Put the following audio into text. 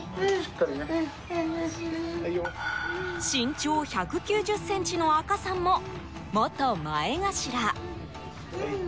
身長１９０ｃｍの阿嘉さんも元前頭。